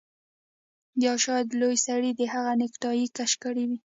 یا شاید لوی سړي د هغه نیکټايي کش کړې وي